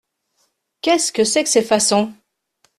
Qu’est-ce que c’est que ces façons ?